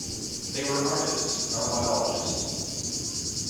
They were artists, not biologists.